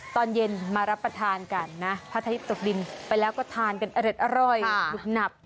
ตอนเย็นมารับประทานกันนะพระอาทิตย์ตกดินไปแล้วก็ทานกันอร็ดอร่อยหนุบหนับ